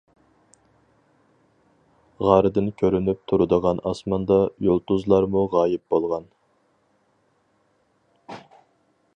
غاردىن كۆرۈنۈپ تۇرىدىغان ئاسماندا يۇلتۇزلارمۇ غايىب بولغان.